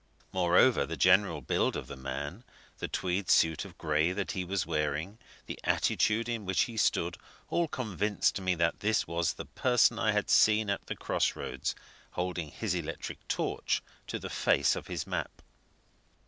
Moreover, the general build of the man, the tweed suit of grey that he was wearing, the attitude in which he stood, all convinced me that this was the person I had seen at the cross roads, holding his electric torch to the face of his map.